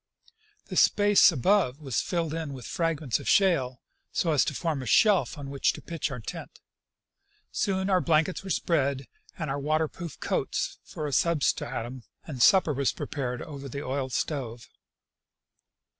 The space above was filled in with fragments of shale, so as to form a shelf on which to pitch our tent. Soon our blankets were spread, with our water proof coats for a substratum, and supper was pre pared over the oil stove.